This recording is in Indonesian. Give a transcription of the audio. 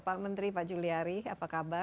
pak menteri pak juliari apa kabar